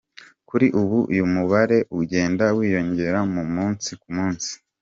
Kuri ubu uyu mubare ugenda wiyongera umunsi ku munsi.